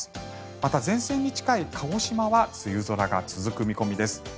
また、前線に近い鹿児島は梅雨空が続く見込みです。